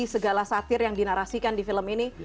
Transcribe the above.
segala satir yang dinarasikan di film ini